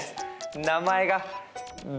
名前が。